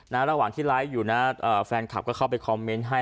ระหว่างที่ไลฟ์อยู่นะแฟนคลับก็เข้าไปคอมเมนต์ให้